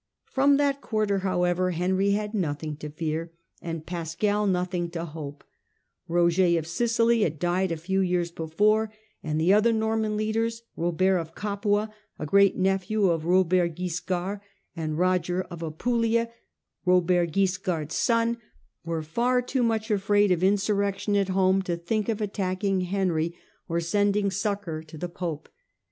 From that quarter, however, Henry had nothing to fear, and Pascal nothing to hope. Roger of Sicily had died a few years before, and the other Norman leaders, Robert of Capua, great nephew of Robert Wiscard, and Roger of Apulia, Robert Wiscard's son, were far too much afraid of insurrection at home to think of attacking Henry, or sending succour to the Digitized by VjOOQIC Contest of Henry K with the Pope 195 pope.